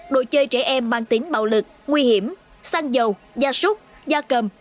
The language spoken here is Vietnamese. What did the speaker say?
đồ chơi trẻ em mang tính bạo lực nguy hiểm xăng dầu da súc da cầm